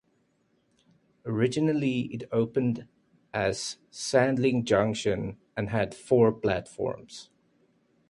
Originally it opened as Sandling Junction and had four platforms.